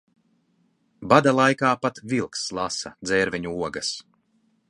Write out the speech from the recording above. Bada laikā pat vilks lasa dzērveņu ogas.